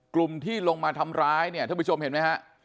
กลุ่มที่ลงมาทำร้ายเนี่ยท่านผู้ชมเห็นไหมฮะ